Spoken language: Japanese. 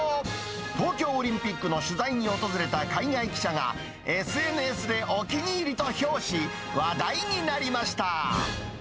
東京オリンピックの取材に訪れた海外記者が、ＳＮＳでお気に入りと評し、話題になりました。